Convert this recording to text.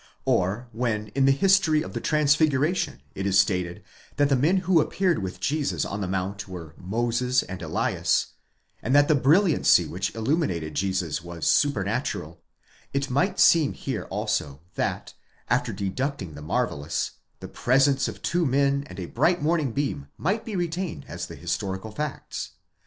Or when in the history of the transfiguration it is stated, that the men who appeared with Jesus on the Mount were Moses and Elias: and that the brilliancy which illuminated Jesus was supernatural ; it might seem here also that, after deducting the marvellous, the presence of two men and a bright morning beam might be retained as the historical facts.